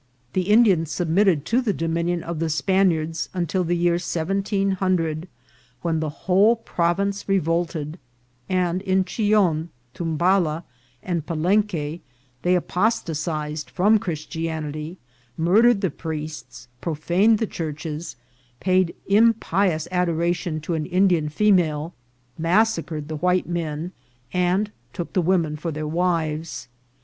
The Indians submitted to the dominion of the Spaniards until the year 1700, when the whole province revolted, and in Chillon, Tumbala, and Pa lenque they apostatized fronl Christianity, murdered the priests, proijaned the churches, paid impious adora tion to an Indian female, massacred the white men, and took the women for their wives.